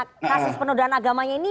kasus penodaan agamanya ini